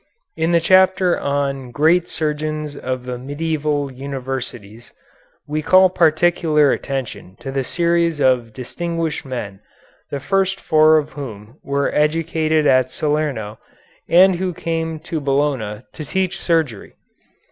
In the chapter on "Great Surgeons of the Medieval Universities" we call particular attention to the series of distinguished men, the first four of whom were educated at Salerno, and who came to Bologna to teach surgery.